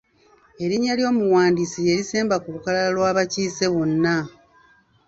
Erinnya ly'omuwandiisi lye lisemba ku lukalala lw'abakiise bonna.